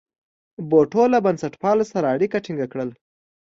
بوټو له بنسټپالو سره اړیکي ټینګ کړل.